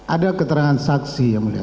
ada keterangan saksi yang mulia